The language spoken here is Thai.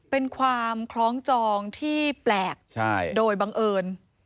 เป็นความคล้องจองที่แปลกโดยบังเอิญ